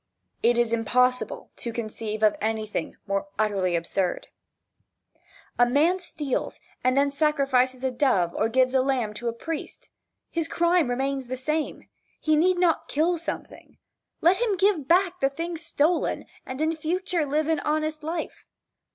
It is impossible to conceive of anything more utterly absurd. A man steals, and then sacrifices a dove, or gives a lamb to a priest. His crime remains the same. He need not kill something. Let him give back the thing stolen, and in future live an honest life.